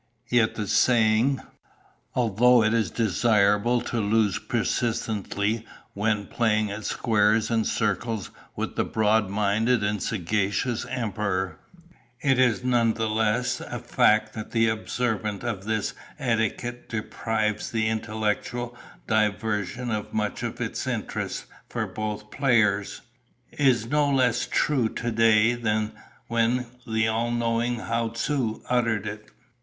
Yet the saying 'Although it is desirable to lose persistently when playing at squares and circles with the broad minded and sagacious Emperor, it is none the less a fact that the observance of this etiquette deprives the intellectual diversion of much of its interest for both players,' is no less true today than when the all knowing H'sou uttered it."